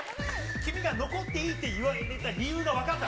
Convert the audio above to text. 君が残っていいって言われた理由が分かった。